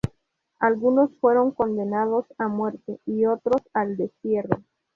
Algunos fueron condenados a muerte y otros al destierro.